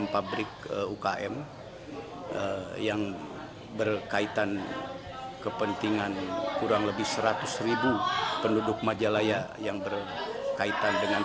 enam pabrik ukm yang berkaitan kepentingan kurang lebih seratus ribu penduduk majalaya yang berkaitan dengan